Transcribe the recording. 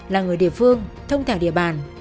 là người địa phương thông thảo địa bàn